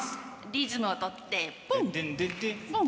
リズムを取ってポンポン。